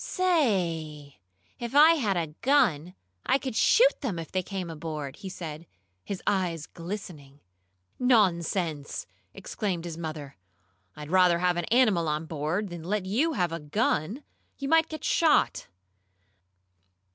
"Say, if I had a gun I could shoot them, if they came aboard," he said, his eyes glistening. "Nonsense!" exclaimed his mother. "I'd rather have an animal on board than let you have a gun. You might get shot."